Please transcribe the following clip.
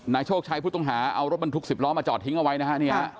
นายโชคชายพุทธงหาเอารถบันทุกข์๑๐ล้อมาจอดทิ้งเอาไว้นะฮะ